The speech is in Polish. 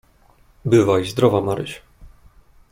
"Bywaj zdrowa, Maryś."